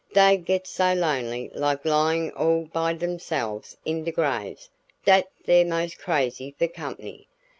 Dey gets so lonely like lyin' all by dereselves in de grave dat dey're 'most crazy for company.